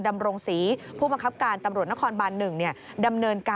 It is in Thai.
ดำรงศรีผู้บังคับการตำรวจนครบาน๑ดำเนินการ